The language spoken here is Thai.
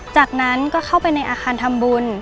จากนั้นก็เข้าไปในอาคารทำบุญ